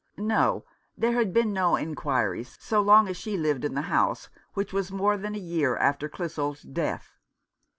No, there had been no inquiries so long as she lived in the house, which was more than a year after Clissold's death.